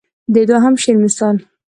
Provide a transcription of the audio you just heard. د دوهم شعر مثال.